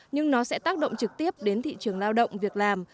nhưng nó sẽ tác động trực tiếp đến thị trường lao động việc làm